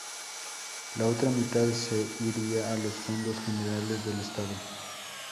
La otra mitad se iría a los fondos generales del estado.